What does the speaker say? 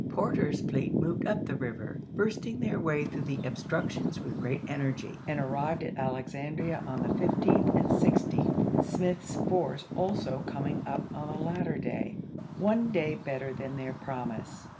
Porter's fleet moved up the river, bursting their way through the obstructions with great energy, and arrived at Alexandria on the 15th and 16th, March, i864. Smith's force also coming up on the latter day, one day better than their promise.